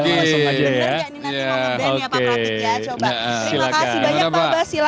kita jelaskan lagi benar gak ini nanti nge ban ya pak pratik ya